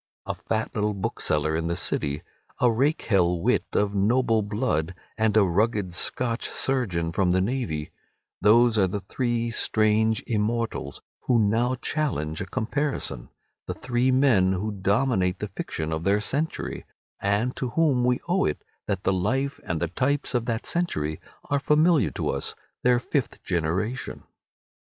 A fat little bookseller in the City, a rakehell wit of noble blood, and a rugged Scotch surgeon from the navy—those are the three strange immortals who now challenge a comparison—the three men who dominate the fiction of their century, and to whom we owe it that the life and the types of that century are familiar to us, their fifth generation.